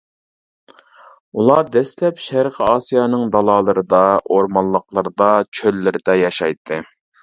ئۇلار دەسلەپ شەرقىي ئاسىيانىڭ دالالىرىدا، ئورمانلىقلىرىدا، چۆللىرىدە ياشايتتى.